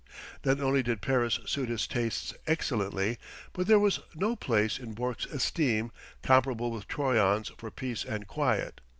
Not only did Paris suit his tastes excellently, but there was no place, in Bourke's esteem, comparable with Troyon's for peace and quiet.